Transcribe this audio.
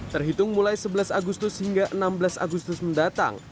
terhitung mulai sebelas agustus hingga enam belas agustus mendatang